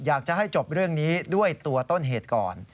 อยากจะให้จบเรื่องนี้ด้วยตัวต้นเหตุก่อน